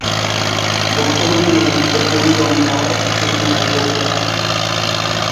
বর্তমানে নদীটিতে পলি জমে যাওয়ায় এটি তার গভীরতা হারিয়েছে।